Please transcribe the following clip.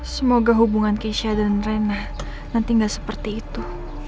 semoga hubungan keisha dan rena nanti gak seperti itu